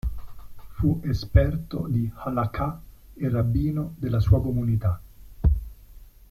Fu esperto di Halakhah e rabbino della sua comunità.